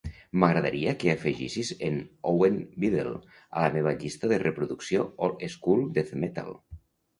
M'agradaria que afegissis en Owen Biddle a la meva llista de reproducció "Old School Death Metal".